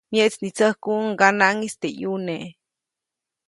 Myeʼtsnitsäkuʼuŋ ŋganaʼŋis teʼ ʼyuneʼ.